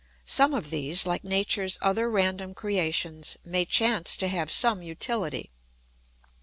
Some of these, like nature's other random creations, may chance to have some utility.